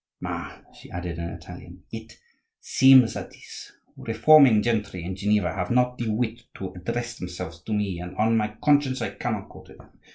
"Ma," she added in Italian, "it seems that these reforming gentry in Geneva have not the wit to address themselves to me; and, on my conscience, I cannot go to them.